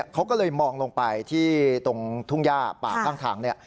เขาก็เลยมองลงไปที่ตรงทุ่งย่าปากตั้ง